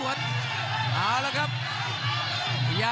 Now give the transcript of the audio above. คมทุกลูกจริงครับโอ้โห